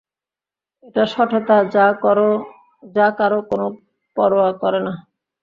এটা শঠতা যা কারো কোনও পরোয়া করে না!